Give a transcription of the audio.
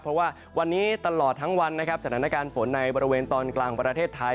เพราะว่าวันนี้ตลอดทั้งวันนะครับสถานการณ์ฝนในบริเวณตอนกลางประเทศไทย